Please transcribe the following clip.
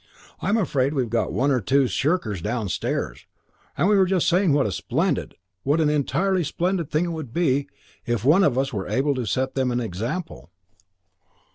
I'm afraid we've got one or two shirkers downstairs, and we were just saying what a splendid, what an entirely splendid thing it would be if one of us were able to set them an example."